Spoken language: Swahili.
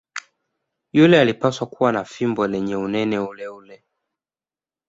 Yule alipaswa kuwa na fimbo lenye unene uleule.